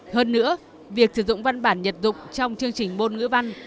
hơn nữa việc sử dụng văn bản nhật dụng trong chương trình môn ngữ văn